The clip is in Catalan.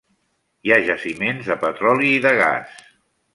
Hi ha jaciments de petroli i de gas.